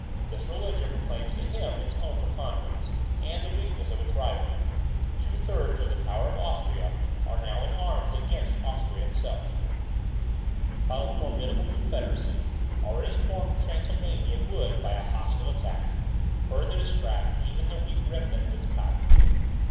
This religion proclaims to him its own preponderance, and the weakness of its rival, two thirds of the power of Austria are now in arms against Austria itself, while a formidable confederacy, already formed in Transylvania, would, by a hostile attack, further distract even the weak remnant of its power.